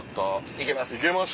いけます。